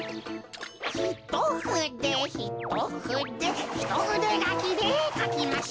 ひとふでひとふでひとふでがきでかきましょう。